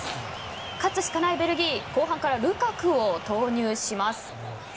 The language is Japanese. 勝つしかないベルギー後半からルカクを投入します。